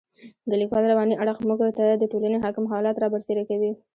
د لیکوال رواني اړخ موږ ته د ټولنې حاکم حالات را برسېره کوي.